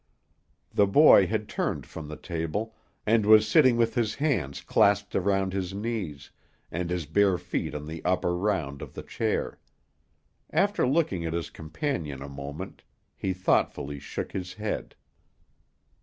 The boy had turned from the table, and was sitting with his hands clasped around his knees, and his bare feet on the upper round of the chair. After looking at his companion a moment, he thoughtfully shook his head.